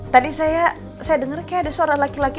tadi saya denger kayak ada suara laki laki